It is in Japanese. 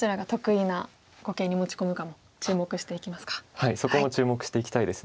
はいそこも注目していきたいです。